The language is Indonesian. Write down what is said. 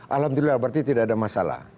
alhamdulillah berarti tidak ada masalah